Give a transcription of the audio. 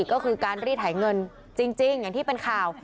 ก็คือการรีดไถเงินจริงอย่างที่เป็นข่าว